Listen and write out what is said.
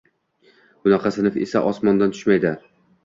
Bunaqa sinf esa osmondan tushmaydi.